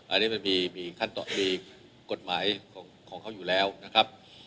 อันนี้มันมีขั้นตอนมีกฎหมายของเขาอยู่แล้วนะครับ